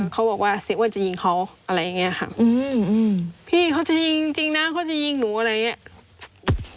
เขาบอกว่าเสียอ้วนจะยิงเขาอะไรอย่างนี้ค่ะพี่เขาจะยิงจริงนะเขาจะยิงหนูอะไรอย่างเงี้ย